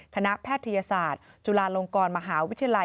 แพทยศาสตร์จุฬาลงกรมหาวิทยาลัย